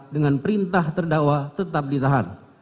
dengan perintah terdakwa tetap ditahan